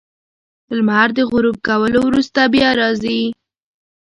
• لمر د غروب کولو وروسته بیا راځي.